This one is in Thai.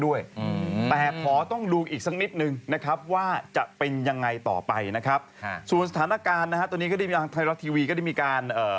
อืมแต่ขอต้องดูอีกสักนิดนึงนะครับว่าจะเป็นยังไงต่อไปนะครับค่ะส่วนสถานการณ์นะฮะตอนนี้ก็ได้ทางไทยรัฐทีวีก็ได้มีการเอ่อ